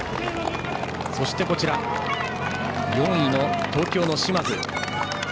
そして、４位の東京の嶋津。